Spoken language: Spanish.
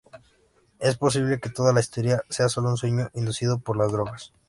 Es posible que toda la historia sea solo un sueño inducido por las drogas.